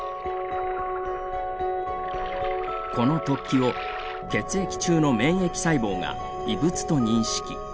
この突起を血液中の免疫細胞が異物と認識。